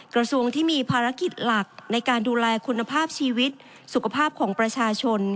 กระทรวงที่มีภารกิจหลักในการดูแลคุณภาพชีวิตสุขภาพของประชาชน